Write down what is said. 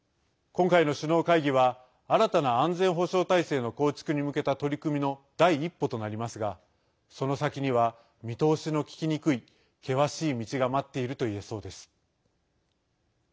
今回の首脳会議は新たな安全保障体制の構築に向けた取り組みの第一歩となりますがその先には、見通しのききにくい険しい道が待っていると言えそうです。